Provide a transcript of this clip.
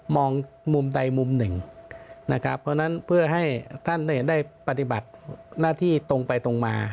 มองมุมใดมุมหนึ่งนะครับเพราะฉะนั้นเพื่อให้ท่านได้ปฏิบัติหน้าที่ตรงไปตรงมา